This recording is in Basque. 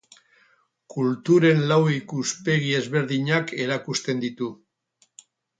Kulturen lau ikuspegi ezberdinak erakusten ditu.